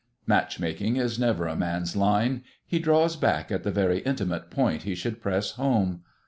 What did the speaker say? Matchmaking is never a man's line; he draws back at the very intimate point he should press home.